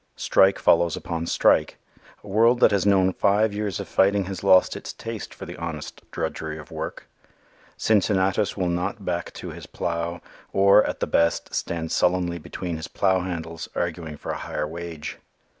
Strike follows upon strike. A world that has known five years of fighting has lost its taste for the honest drudgery of work. Cincinnatus will not back to his plow, or, at the best, stands sullenly between his plow handles arguing for a higher wage.